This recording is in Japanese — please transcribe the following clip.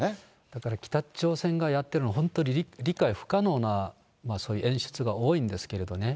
だから北朝鮮がやってるの、本当に理解不可能なそういう演出が多いんですけれどね。